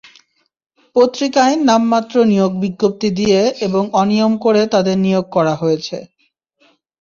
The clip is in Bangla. পত্রিকায় নামমাত্র নিয়োগ বিজ্ঞপ্তি দিয়ে এবং অনিয়ম করে তাঁদের নিয়োগ করা হয়েছে।